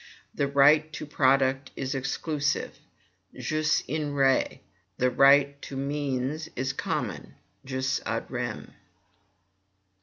The right to product is exclusive jus in re; the right to means is common jus ad rem.